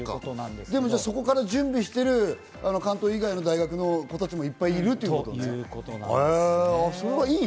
そこから準備している関東以外の大学の子達もいっぱいいるってことね？